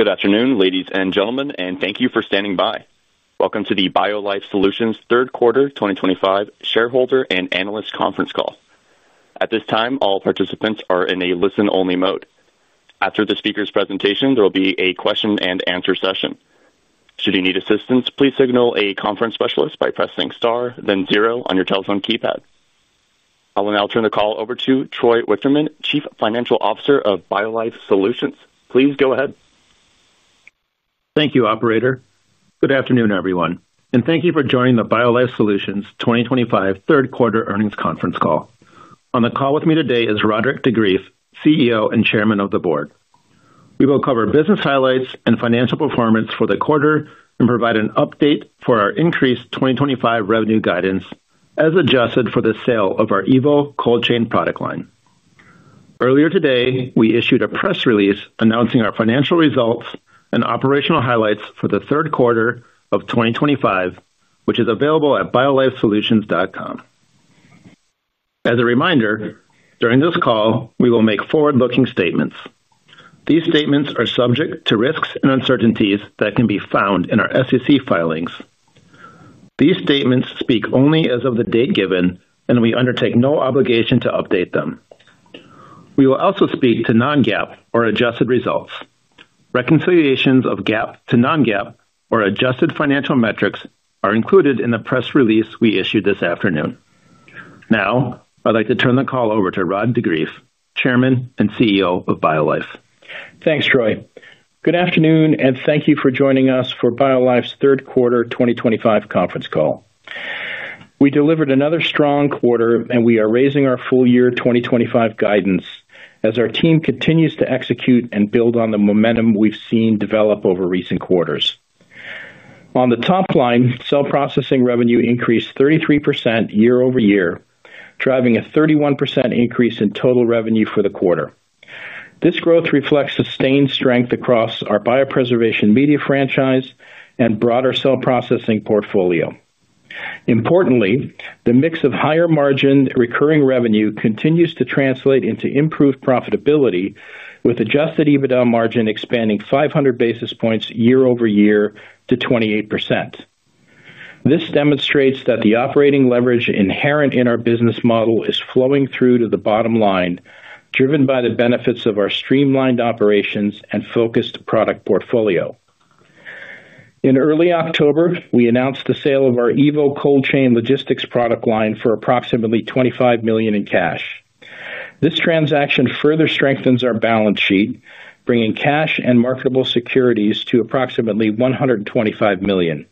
Good afternoon, ladies and gentlemen, and thank you for standing by. Welcome to the BioLife Solutions Third Quarter 2025 Shareholder and Analyst Conference Call. At this time, all participants are in a listen-only mode. After the speaker's presentation, there will be a question-and-answer session. Should you need assistance, please signal a conference specialist by pressing star, then zero on your telephone keypad. I will now turn the call over to Troy Wichterman, Chief Financial Officer of BioLife Solutions. Please go ahead. Thank you, Operator. Good afternoon, everyone, and Thank you for joining the BioLife Solutions 2025 Third Quarter Earnings Conference Call. On the call with me today is Roderick de Greef, CEO and Chairman of the Board. We will cover business highlights and financial performance for the quarter and provide an update for our increased 2025 revenue guidance as adjusted for the sale of our evo Cold Chain product line. Earlier today, we issued a press release announcing our financial results and operational highlights for the third quarter of 2025, which is available at biolifesolutions.com. As a reminder, during this call, we will make forward-looking statements. These statements are subject to risks and uncertainties that can be found in our SEC filings. These statements speak only as of the date given, and we undertake no obligation to update them. We will also speak to non-GAAP or adjusted results. Reconciliations of GAAP to non-GAAP or adjusted financial metrics are included in the press release we issued this afternoon. Now, I'd like to turn the call over to Rod de Greef, Chairman and CEO of BioLife. Thanks, Troy. Good afternoon, and Thank you for joining us for BioLife's Third Quarter 2025 Conference Call. We delivered another strong quarter, and we are raising our full-year 2025 guidance as our team continues to execute and build on the momentum we've seen develop over recent quarters. On the top line, cell processing revenue increased 33% year-over-year, driving a 31% increase in total revenue for the quarter. This growth reflects sustained strength across our biopreservation media franchise and broader cell processing portfolio. Importantly, the mix of higher margin recurring revenue continues to translate into improved profitability, with adjusted EBITDA margin expanding 500 basis points year-over-year to 28%. This demonstrates that the operating leverage inherent in our business model is flowing through to the bottom line, driven by the benefits of our streamlined operations and focused product portfolio. In early October, we announced the sale of our evo Cold Chain Logistics product line for approximately $25.5 million in cash. This transaction further strengthens our balance sheet, bringing cash and marketable securities to approximately $125 million.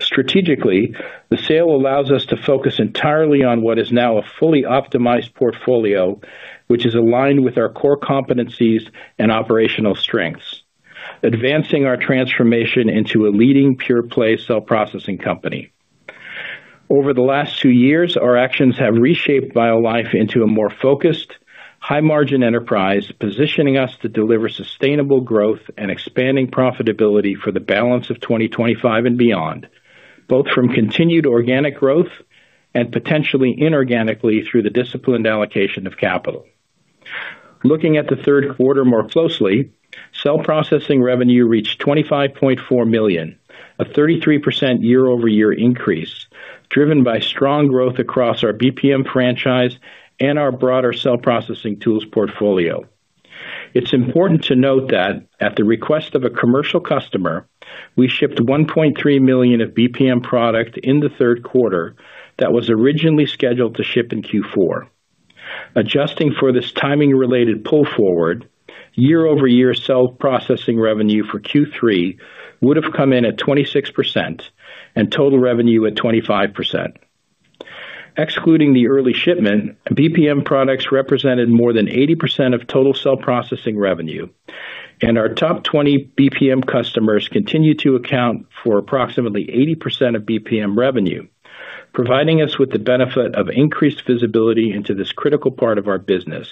Strategically, the sale allows us to focus entirely on what is now a fully optimized portfolio, which is aligned with our core competencies and operational strengths, advancing our transformation into a leading pure-play cell processing company. Over the last two years, our actions have reshaped BioLife into a more focused, high-margin enterprise, positioning us to deliver sustainable growth and expanding profitability for the balance of 2025 and beyond, both from continued organic growth and potentially inorganically through the disciplined allocation of capital. Looking at the third quarter more closely, cell processing revenue reached $25.4 million, a 33% year-over-year increase, driven by strong growth across our BPM franchise and our broader cell processing tools portfolio. It's important to note that, at the request of a commercial customer, we shipped $1.3 million of BPM product in the third quarter that was originally scheduled to ship in Q4. Adjusting for this timing-related pull forward, year-over-year cell processing revenue for Q3 would have come in at 26% and total revenue at 25%. Excluding the early shipment, BPM products represented more than 80% of total cell processing revenue, and our top 20 BPM customers continue to account for approximately 80% of BPM revenue, providing us with the benefit of increased visibility into this critical part of our business.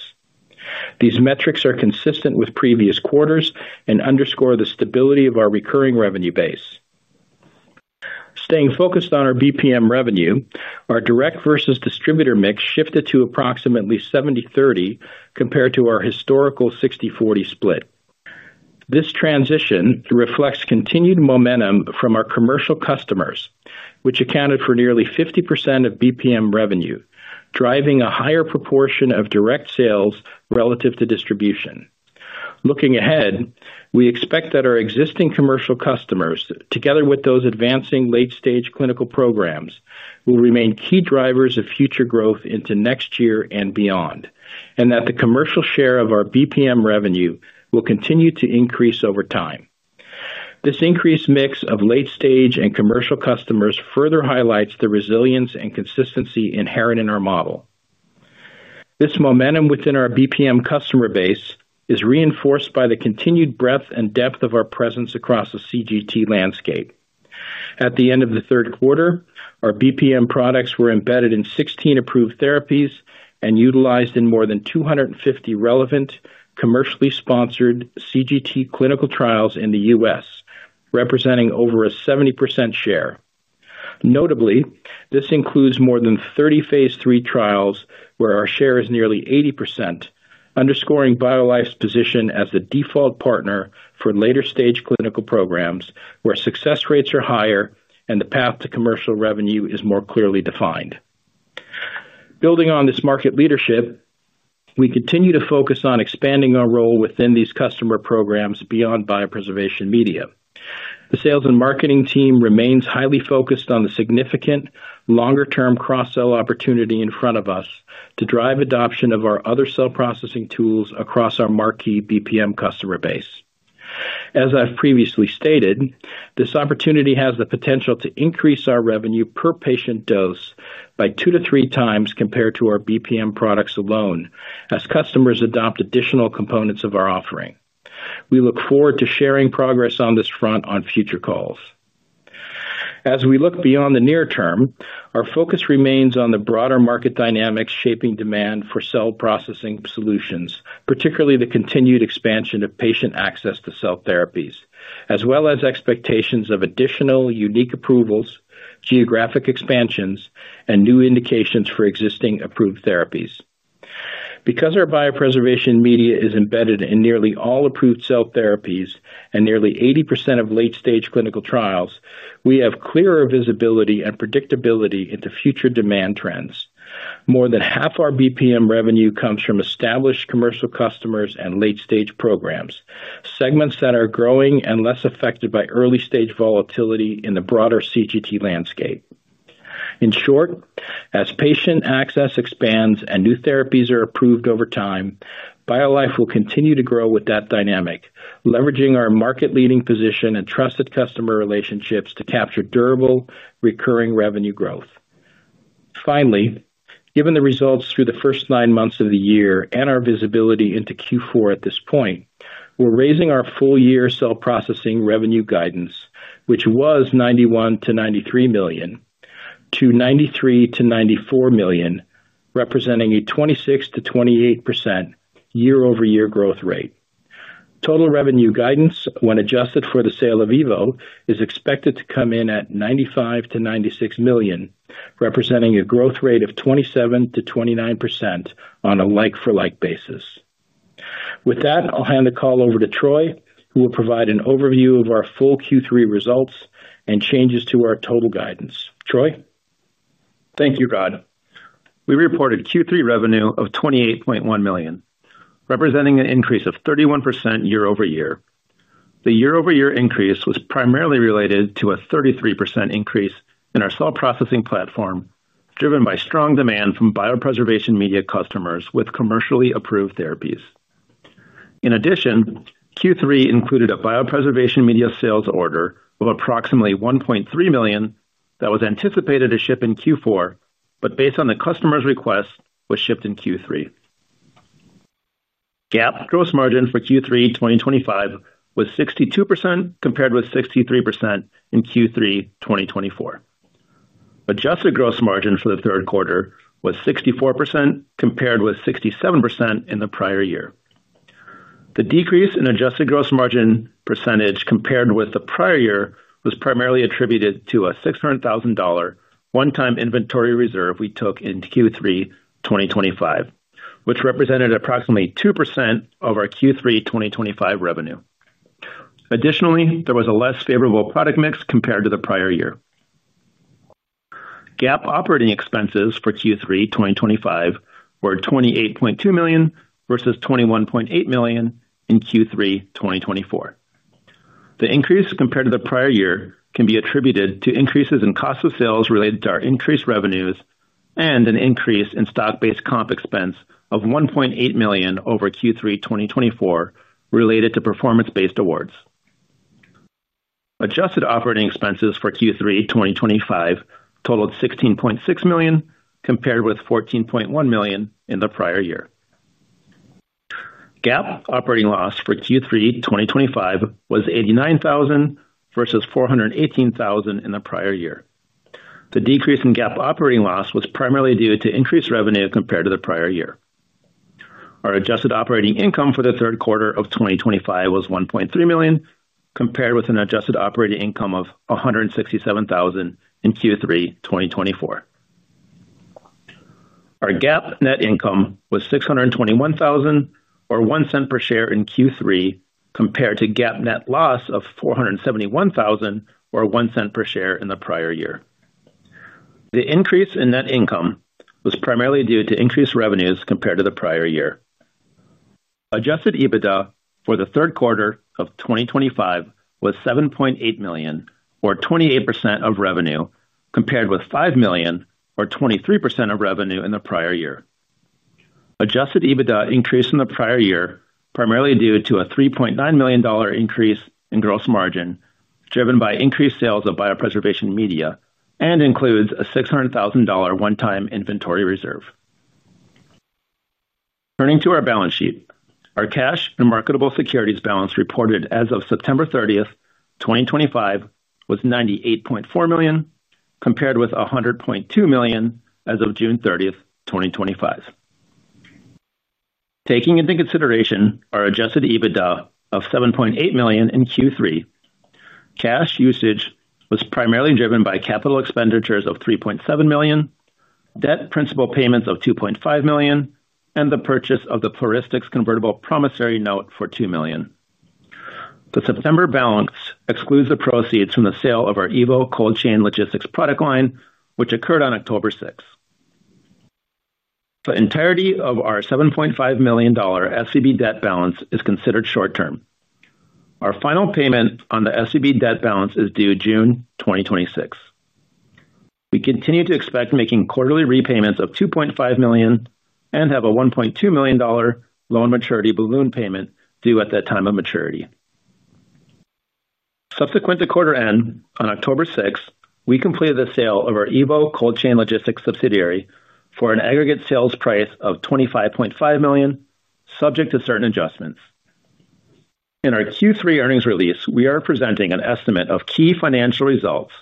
These metrics are consistent with previous quarters and underscore the stability of our recurring revenue base. Staying focused on our BPM revenue, our direct versus distributor mix shifted to approximately 70/30 compared to our historical 60/40 split. This transition reflects continued momentum from our commercial customers, which accounted for nearly 50% of BPM revenue, driving a higher proportion of direct sales relative to distribution. Looking ahead, we expect that our existing commercial customers, together with those advancing late-stage clinical programs, will remain key drivers of future growth into next year and beyond, and that the commercial share of our BPM revenue will continue to increase over time. This increased mix of late-stage and commercial customers further highlights the resilience and consistency inherent in our model. This momentum within our BPM customer base is reinforced by the continued breadth and depth of our presence across the CGT landscape. At the end of the third quarter, our BPM products were embedded in 16 approved therapies and utilized in more than 250 relevant commercially sponsored CGT clinical trials in the U.S., representing over a 70% share. Notably, this includes more than 30 phase III trials where our share is nearly 80%, underscoring BioLife's position as the default partner for later-stage clinical programs where success rates are higher and the path to commercial revenue is more clearly defined. Building on this market leadership, we continue to focus on expanding our role within these customer programs beyond biopreservation media. The sales and marketing team remains highly focused on the significant longer-term cross-sell opportunity in front of us to drive adoption of our other cell processing tools across our marquee BPM customer base. As I've previously stated, this opportunity has the potential to increase our revenue per patient dose by two to three times compared to our BPM products alone as customers adopt additional components of our offering. We look forward to sharing progress on this front on future calls. As we look beyond the near term, our focus remains on the broader market dynamics shaping demand for cell processing solutions, particularly the continued expansion of patient access to cell therapies, as well as expectations of additional unique approvals, geographic expansions, and new indications for existing approved therapies. Because our biopreservation media is embedded in nearly all approved cell therapies and nearly 80% of late-stage clinical trials, we have clearer visibility and predictability into future demand trends. More than half our BPM revenue comes from established commercial customers and late-stage programs, segments that are growing and less affected by early-stage volatility in the broader CGT landscape. In short, as patient access expands and new therapies are approved over time, BioLife will continue to grow with that dynamic, leveraging our market-leading position and trusted customer relationships to capture durable, recurring revenue growth. Finally, given the results through the first nine months of the year and our visibility into Q4 at this point, we're raising our full-year cell processing revenue guidance, which was $91 million-$93 million, to $93 million-$94 million, representing a 26%-28% year-over-year growth rate. Total revenue guidance, when adjusted for the sale of evo, is expected to come in at $95 million-$96 million, representing a growth rate of 27%-29% on a like-for-like basis. With that, I'll hand the call over to Troy, who will provide an overview of our full Q3 results and changes to our total guidance. Troy? Thank you, Rod. We reported Q3 revenue of $28.1 million, representing an increase of 31% year-over-year. The year-over-year increase was primarily related to a 33% increase in our Cell Processing Platform, driven by strong demand from biopreservation media customers with commercially approved therapies. In addition, Q3 included a biopreservation media sales order of approximately $1.3 million that was anticipated to ship in Q4, but based on the customer's request, was shipped in Q3. GAAP gross margin for Q3 2025 was 62% compared with 63% in Q3 2024. Adjusted gross margin for the third quarter was 64% compared with 67% in the prior year. The decrease in adjusted gross margin percentage compared with the prior year was primarily attributed to a $600,000 one-time inventory reserve we took in Q3 2025, which represented approximately 2% of our Q3 2025 revenue. Additionally, there was a less favorable product mix compared to the prior year. GAAP operating expenses for Q3 2025 were $28.2 million versus $21.8 million in Q3 2024. The increase compared to the prior year can be attributed to increases in cost of sales related to our increased revenues and an increase in stock-based comp expense of $1.8 million over Q3 2024 related to performance-based awards. Adjusted operating expenses for Q3 2025 totaled $16.6 million compared with $14.1 million in the prior year. GAAP operating loss for Q3 2025 was $89,000 versus $418,000 in the prior year. The decrease in GAAP operating loss was primarily due to increased revenue compared to the prior year. Our adjusted operating income for the third quarter of 2025 was $1.3 million compared with an adjusted operating income of $167,000 in Q3 2024. Our GAAP net income was $621,000 or $0.01 per share in Q3 compared to GAAP net loss of $471,000 or $0.01 per share in the prior year. The increase in net income was primarily due to increased revenues compared to the prior year. Adjusted EBITDA for the third quarter of 2025 was $7.8 million or 28% of revenue compared with $5 million or 23% of revenue in the prior year. Adjusted EBITDA increased in the prior year primarily due to a $3.9 million increase in gross margin driven by increased sales of biopreservation media and includes a $600,000 one-time inventory reserve. Turning to our balance sheet, our cash and marketable securities balance reported as of September 30th, 2025, was $98.4 million compared with $100.2 million as of June 30th, 2025. Taking into consideration our adjusted EBITDA of $7.8 million in Q3. Cash usage was primarily driven by capital expenditures of $3.7 million, debt principal payments of $2.5 million, and the purchase of the Floristics Convertible Promissory Note for $2 million. The September balance excludes the proceeds from the sale of our evo Cold Chain Logistics product line, which occurred on October 6. The entirety of our $7.5 million SEB debt balance is considered short-term. Our final payment on the SEB debt balance is due June 2026. We continue to expect making quarterly repayments of $2.5 million and have a $1.2 million loan maturity balloon payment due at that time of maturity. Subsequent to quarter end on October 6, we completed the sale of our evo Cold Chain Logistics subsidiary for an aggregate sales price of $25.5 million, subject to certain adjustments. In our Q3 earnings release, we are presenting an estimate of key financial results,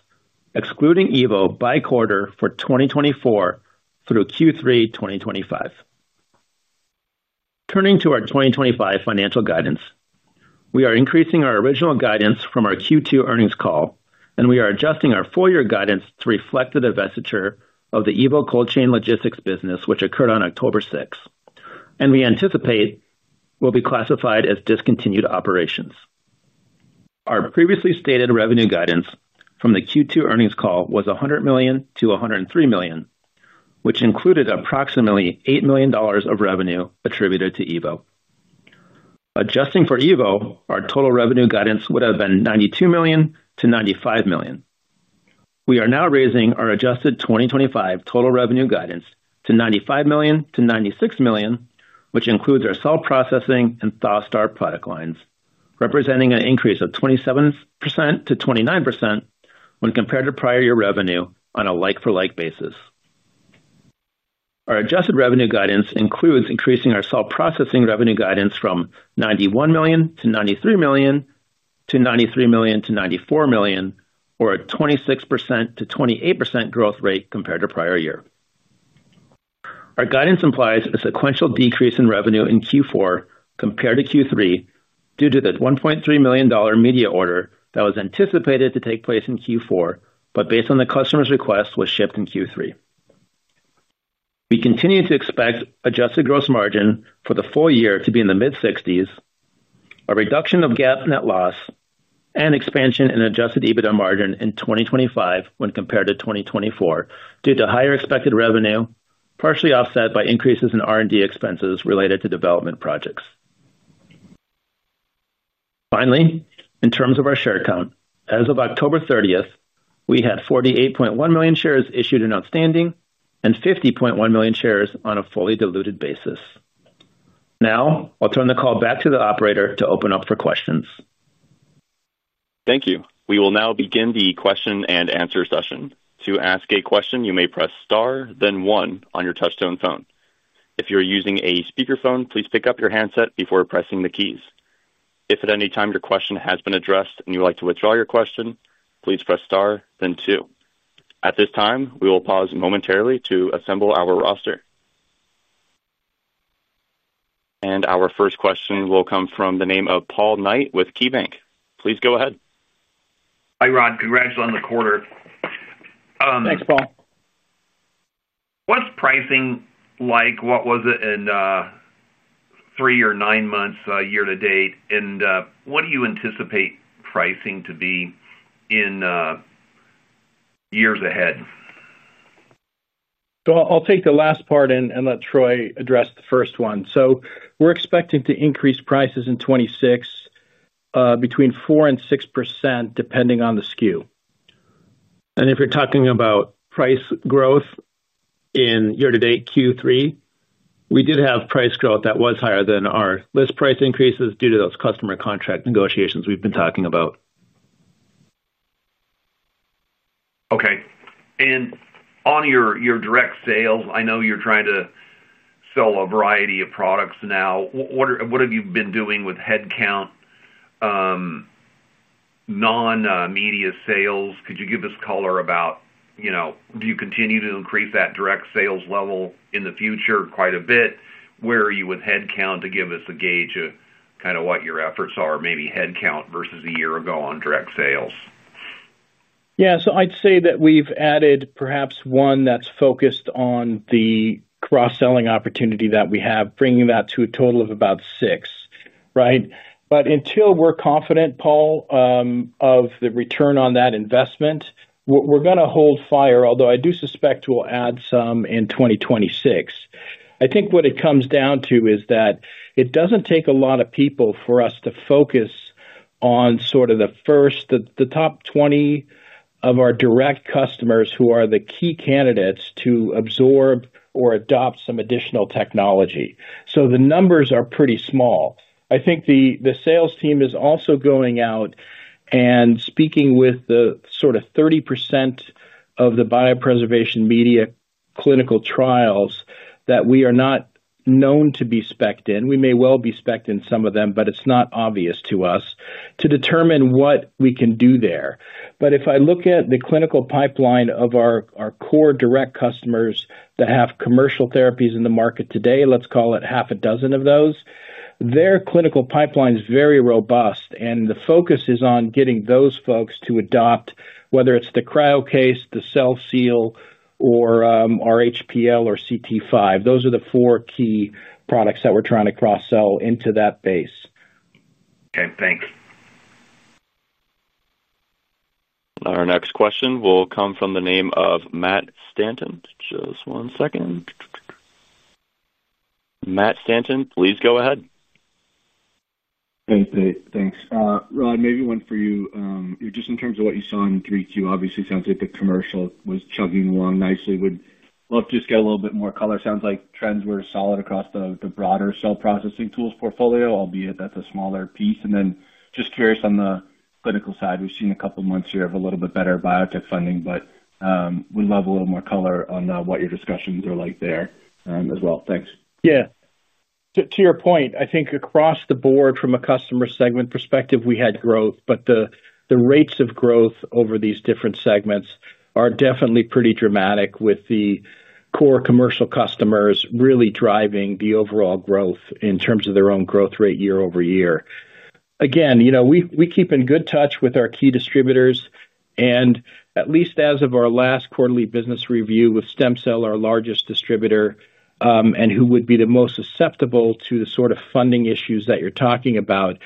excluding evo by quarter for 2024 through Q3 2025. Turning to our 2025 financial guidance, we are increasing our original guidance from our Q2 earnings call, and we are adjusting our four-year guidance to reflect the divestiture of the evo Cold Chain Logistics business, which occurred on October 6, and we anticipate will be classified as discontinued operations. Our previously stated revenue guidance from the Q2 earnings call was $100 million-$103 million, which included approximately $8 million of revenue attributed to evo. Adjusting for evo, our total revenue guidance would have been $92 million-$95 million. We are now raising our adjusted 2025 total revenue guidance to $95 million-$96 million, which includes our cell processing and ThawSTAR product lines, representing an increase of 27%-29% when compared to prior year revenue on a like-for-like basis. Our adjusted revenue guidance includes increasing our cell processing revenue guidance from $91 million-$93 million to $93 million-$94 million, or a 26%-28% growth rate compared to prior year. Our guidance implies a sequential decrease in revenue in Q4 compared to Q3 due to the $1.3 million media order that was anticipated to take place in Q4, but based on the customer's request, was shipped in Q3. We continue to expect adjusted gross margin for the full year to be in the mid-60s, a reduction of GAAP net loss, and expansion in adjusted EBITDA margin in 2025 when compared to 2024 due to higher expected revenue, partially offset by increases in R&D expenses related to development projects. Finally, in terms of our share count, as of October 30th, we had 48.1 million shares issued and outstanding and 50.1 million shares on a fully diluted basis. Now, I'll turn the call back to the operator to open up for questions. Thank you. We will now begin the question and answer session. To ask a question, you may press Star, then one on your touchstone phone. If you're using a speakerphone, please pick up your handset before pressing the keys. If at any time your question has been addressed and you would like to withdraw your question, please press Star, then two. At this time, we will pause momentarily to assemble our roster. Our first question will come from the name of Paul Knight with KeyBanc. Please go ahead. Hi, Rod. Congrats on the quarter. Thanks, Paul. What's pricing like? What was it in three or nine months year to date? What do you anticipate pricing to be in years ahead? I'll take the last part and let Troy address the first one. We're expecting to increase prices in 2026. Between 4% and 6%, depending on the SKU. If you're talking about price growth, in year to date Q3, we did have price growth that was higher than our list price increases due to those customer contract negotiations we've been talking about. Okay. On your direct sales, I know you're trying to sell a variety of products now. What have you been doing with headcount? Non-media sales, could you give us color about, do you continue to increase that direct sales level in the future quite a bit? Where are you with headcount to give us a gauge of kind of what your efforts are, maybe headcount versus a year ago on direct sales? Yeah. I'd say that we've added perhaps one that's focused on the cross-selling opportunity that we have, bringing that to a total of about six, right? Until we're confident, Paul, of the return on that investment, we're going to hold fire, although I do suspect we'll add some in 2026. I think what it comes down to is that it doesn't take a lot of people for us to focus on sort of the top 20 of our direct customers who are the key candidates to absorb or adopt some additional technology. The numbers are pretty small. I think the sales team is also going out. Speaking with the sort of 30% of the biopreservation media clinical trials that we are not known to be specked in, we may well be specked in some of them, but it is not obvious to us to determine what we can do there. If I look at the clinical pipeline of our core direct customers that have commercial therapies in the market today, let's call it half a dozen of those, their clinical pipeline is very robust, and the focus is on getting those folks to adopt, whether it is the CryoCase, the CellSeal, or our hPL or CT-5. Those are the four key products that we are trying to cross-sell into that base. Okay. Thanks. Our next question will come from Matt Stanton. Just one second. Matt Stanton, please go ahead. Thanks, Dave. Thanks. Rod, maybe one for you. Just in terms of what you saw in 3Q, obviously, it sounds like the commercial was chugging along nicely. Would love to just get a little bit more color. Sounds like trends were solid across the broader cell processing tools portfolio, albeit that's a smaller piece. And then just curious on the clinical side, we've seen a couple of months here of a little bit better biotech funding, but would love a little more color on what your discussions are like there as well. Thanks. Yeah. To your point, I think across the board, from a customer segment perspective, we had growth, but the rates of growth over these different segments are definitely pretty dramatic, with the core commercial customers really driving the overall growth in terms of their own growth rate year-over-year. Again, we keep in good touch with our key distributors, and at least as of our last quarterly business review with STEMCELL, our largest distributor, and who would be the most susceptible to the sort of funding issues that you're talking about,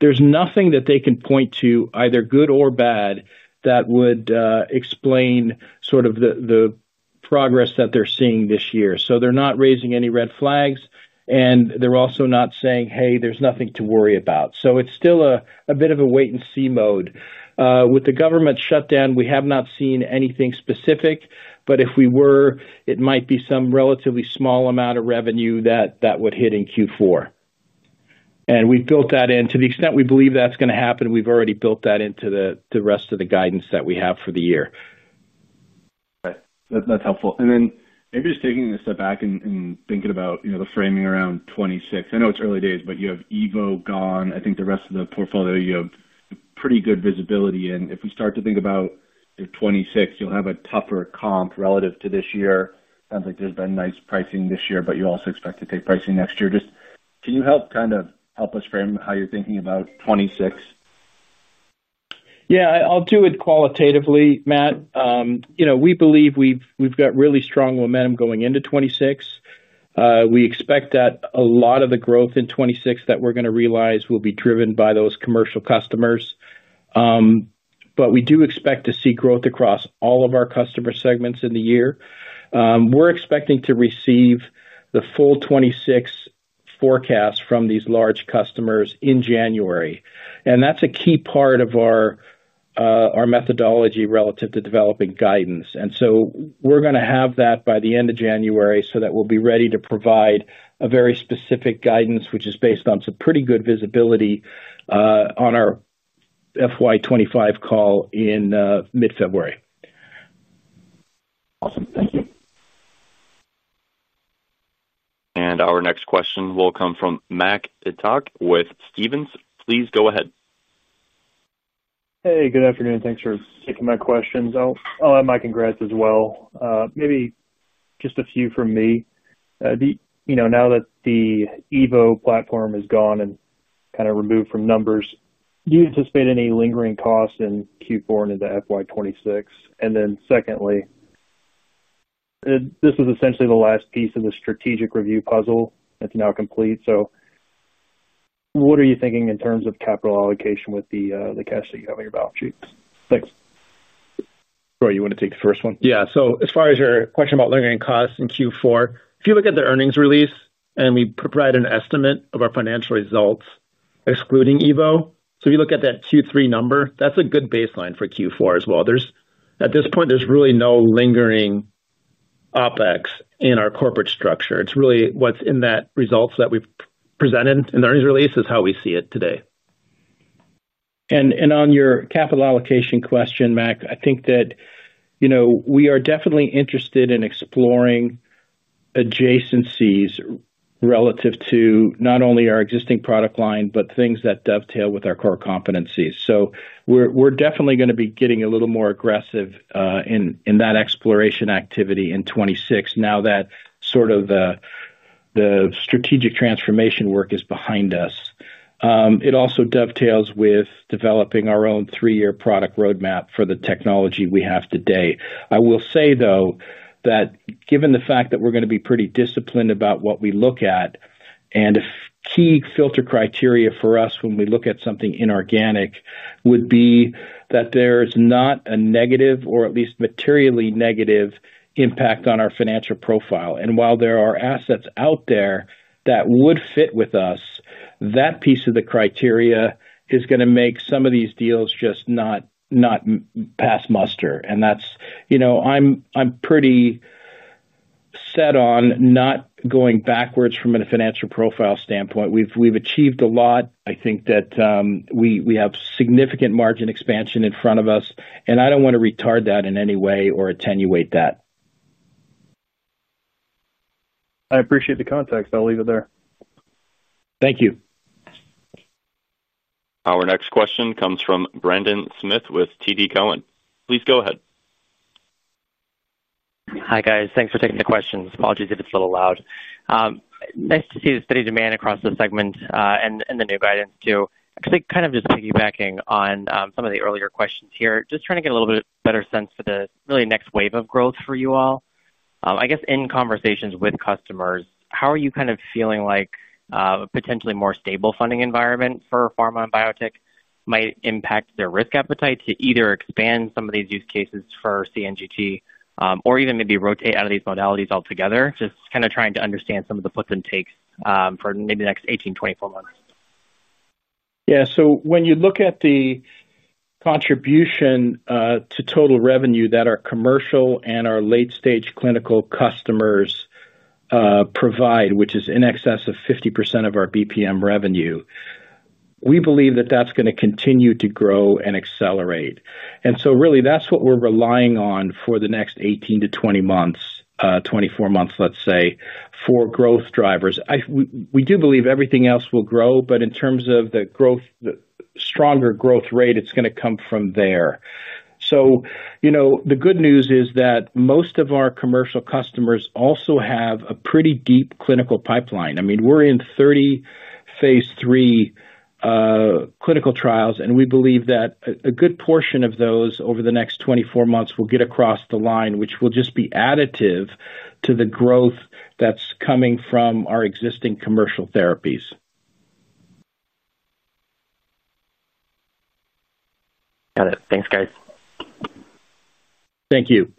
there's nothing that they can point to, either good or bad, that would explain sort of the progress that they're seeing this year. They are not raising any red flags, and they are also not saying, "Hey, there's nothing to worry about." It is still a bit of a wait-and-see mode. With the government shutdown, we have not seen anything specific, but if we were, it might be some relatively small amount of revenue that would hit in Q4. We have built that in. To the extent we believe that's going to happen, we've already built that into the rest of the guidance that we have for the year. Okay. That's helpful. Maybe just taking a step back and thinking about the framing around 2026. I know it's early days, but you have evo gone. I think the rest of the portfolio, you have pretty good visibility in. If we start to think about 2026, you'll have a tougher comp relative to this year. Sounds like there's been nice pricing this year, but you also expect to take pricing next year. Just can you help kind of help us frame how you're thinking about 2026? Yeah. I'll do it qualitatively, Matt. We believe we've got really strong momentum going into 2026. We expect that a lot of the growth in 2026 that we're going to realize will be driven by those commercial customers. We do expect to see growth across all of our customer segments in the year. We're expecting to receive the full 2026 forecast from these large customers in January. That's a key part of our methodology relative to developing guidance. We're going to have that by the end of January so that we'll be ready to provide a very specific guidance, which is based on some pretty good visibility on our FY 2025 call in mid-February. Awesome. Thank you. Our next question will come from Mac Etoch with Stephens. Please go ahead. Hey, good afternoon. Thanks for taking my questions. I'll add my congrats as well. Maybe just a few from me. Now that the evo platform is gone and kind of removed from numbers, do you anticipate any lingering costs in Q4 into FY 2026? Secondly, this is essentially the last piece of the strategic review puzzle that's now complete. What are you thinking in terms of capital allocation with the cash that you have in your balance sheets? Thanks. Troy, you want to take the first one? Yeah. As far as your question about lingering costs in Q4, if you look at the earnings release and we provide an estimate of our financial results excluding evo, if you look at that Q3 number, that's a good baseline for Q4 as well. At this point, there's really no lingering OpEx in our corporate structure. It's really what's in that results that we've presented in the earnings release is how we see it today. On your capital allocation question, Mac, I think that we are definitely interested in exploring adjacencies relative to not only our existing product line, but things that dovetail with our core competencies. We are definitely going to be getting a little more aggressive in that exploration activity in 2026 now that the strategic transformation work is behind us. It also dovetails with developing our own three-year product roadmap for the technology we have today. I will say, though, that given the fact that we are going to be pretty disciplined about what we look at, a key filter criteria for us when we look at something inorganic would be that there is not a negative or at least materially negative impact on our financial profile. While there are assets out there that would fit with us, that piece of the criteria is going to make some of these deals just not pass muster. I'm pretty set on not going backwards from a financial profile standpoint. We've achieved a lot. I think that we have significant margin expansion in front of us, and I don't want to retard that in any way or attenuate that. I appreciate the context. I'll leave it there. Thank you. Our next question comes from Brendan Smith with TD Cowen. Please go ahead. Hi, guys. Thanks for taking the questions. Apologies if it's a little loud. Nice to see the steady demand across the segment and the new guidance too. Actually, kind of just piggybacking on some of the earlier questions here, just trying to get a little bit better sense for the really next wave of growth for you all. I guess in conversations with customers, how are you kind of feeling like a potentially more stable funding environment for pharma and biotech might impact their risk appetite to either expand some of these use cases for CGT or even maybe rotate out of these modalities altogether? Just kind of trying to understand some of the puts and takes for maybe the next 18-24 months. Yeah. So when you look at the contribution to total revenue that our commercial and our late-stage clinical customers provide, which is in excess of 50% of our BPM revenue, we believe that that's going to continue to grow and accelerate. And so really, that's what we're relying on for the next 18-20 months, 24 months, let's say, for growth drivers. We do believe everything else will grow, but in terms of the stronger growth rate, it's going to come from there. The good news is that most of our commercial customers also have a pretty deep clinical pipeline. I mean, we're in 30 phase III clinical trials, and we believe that a good portion of those over the next 24 months will get across the line, which will just be additive to the growth that's coming from our existing commercial therapies. Got it. Thanks, guys. Thank you.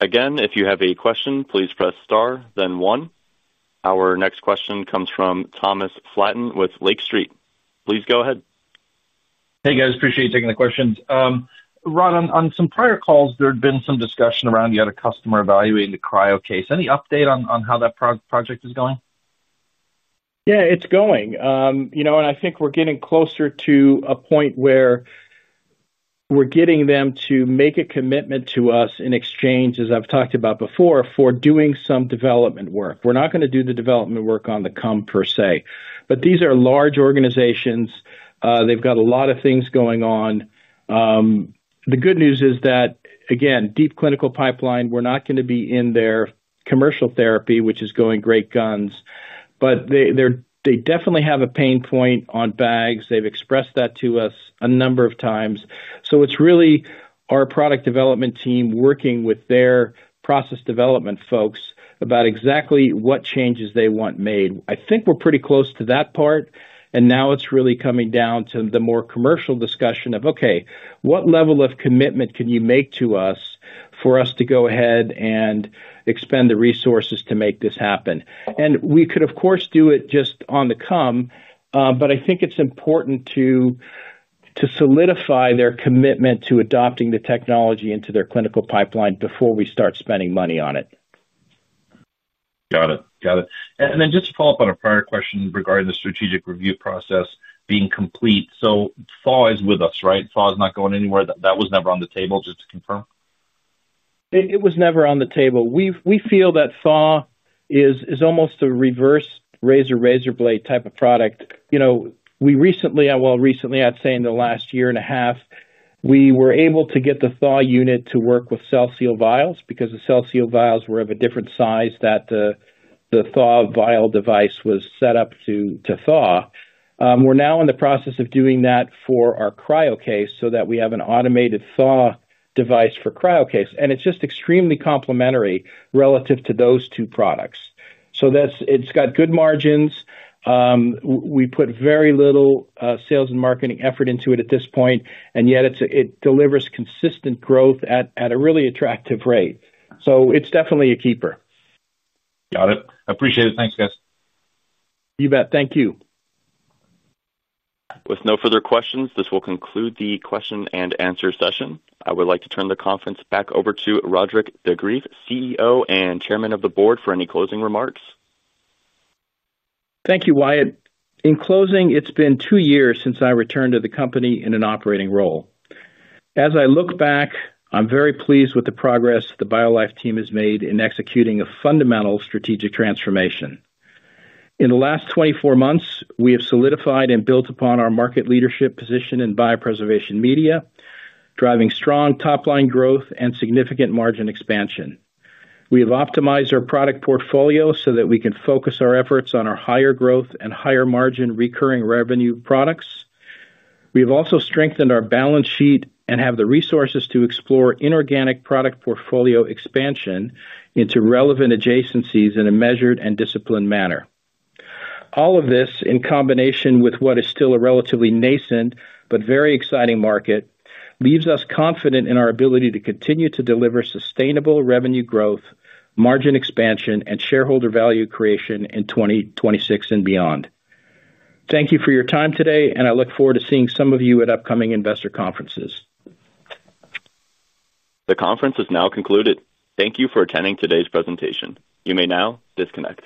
Again, if you have a question, please press star, then one. Our next question comes from Thomas Flaten with Lake Street. Please go ahead. Hey, guys. Appreciate you taking the questions. Rod, on some prior calls, there had been some discussion around you had a customer evaluating the CryoCase. Any update on how that project is going? Yeah, it's going. I think we're getting closer to a point where we're getting them to make a commitment to us in exchange, as I've talked about before, for doing some development work. We're not going to do the development work on the comp per se, but these are large organizations. They've got a lot of things going on. The good news is that, again, deep clinical pipeline. We're not going to be in their commercial therapy, which is going great guns. They definitely have a pain point on bags. They've expressed that to us a number of times. It's really our product development team working with their process development folks about exactly what changes they want made. I think we're pretty close to that part, and now it's really coming down to the more commercial discussion of, okay, what level of commitment can you make to us for us to go ahead and expend the resources to make this happen? We could, of course, do it just on the come, but I think it's important to solidify their commitment to adopting the technology into their clinical pipeline before we start spending money on it. Got it. Got it. Just to follow up on a prior question regarding the strategic review process being complete, Thaw is with us, right? Thaw is not going anywhere. That was never on the table, just to confirm. It was never on the table. We feel that Thaw is almost a reverse razor razor blade type of product. We recently, I'd say in the last year and a half, we were able to get the Thaw unit to work with CellSeal vials because the CellSeal vials were of a different size that the Thaw vial device was set up to Thaw. We are now in the process of doing that for our CryoCase so that we have an automated Thaw device for CryoCase. It is just extremely complementary relative to those two products. It has good margins. We put very little sales and marketing effort into it at this point, and yet it delivers consistent growth at a really attractive rate. It is definitely a keeper. Got it. Appreciate it. Thanks, guys. You bet. Thank you. With no further questions, this will conclude the question and answer session. I would like to turn the conference back over to Roderick de Greef, CEO and Chairman of the Board, for any closing remarks. Thank you, Wyatt. In closing, it's been two years since I returned to the company in an operating role. As I look back, I'm very pleased with the progress the BioLife team has made in executing a fundamental strategic transformation. In the last 24 months, we have solidified and built upon our market leadership position in biopreservation media, driving strong top-line growth and significant margin expansion. We have optimized our product portfolio so that we can focus our efforts on our higher growth and higher margin recurring revenue products. We have also strengthened our balance sheet and have the resources to explore inorganic product portfolio expansion into relevant adjacencies in a measured and disciplined manner. All of this, in combination with what is still a relatively nascent but very exciting market, leaves us confident in our ability to continue to deliver sustainable revenue growth, margin expansion, and shareholder value creation in 2026 and beyond. Thank you for your time today, and I look forward to seeing some of you at upcoming investor conferences. The conference is now concluded. Thank you for attending today's presentation. You may now disconnect.